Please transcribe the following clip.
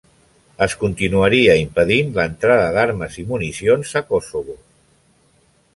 Es continuaria impedint l'entrada d'armes i municions a Kosovo.